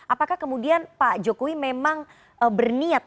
apakah kemudian pak jokowi memang berniat